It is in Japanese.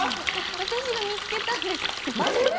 私が見つけたんです。